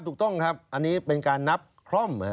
ถูกต้องครับอันนี้เป็นการนับคล่อม